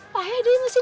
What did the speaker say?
pak ya dia masih